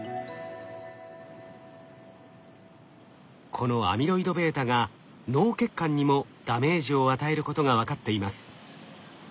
このアミロイドβが脳血管にもダメージを与えることが分かっています。